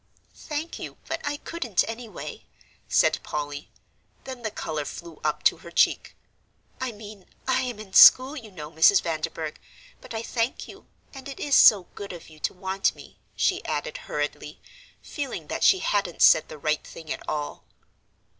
"Thank you; but I couldn't anyway," said Polly. Then the colour flew up to her cheek. "I mean I am in school, you know, Mrs. Vanderburgh, but I thank you, and it is so good of you to want me," she added, hurriedly, feeling that she hadn't said the right thing at all.